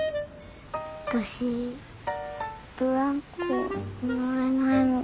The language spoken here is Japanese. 私ブランコ乗れないの。